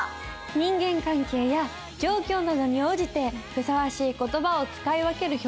人間関係や状況などに応じてふさわしい言葉を使い分ける表現の事でした。